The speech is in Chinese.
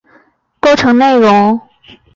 漫画构成内容。